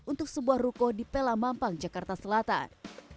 untuk sebuah ruko di pelamampang jakarta selatan